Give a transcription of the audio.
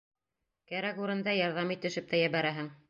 Кәрәк урында ярҙам итешеп тә ебәрәһең.